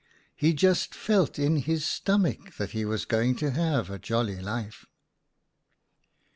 He just felt in his stomach that he was going to have a jolly life.